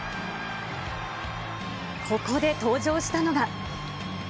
ここで登場したのが。